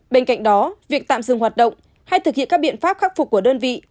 bên cạnh đó việc tạm dừng hoạt động hay thực hiện các biện pháp khắc phục của đơn vị